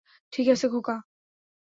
ঠিক আছে, খোকা!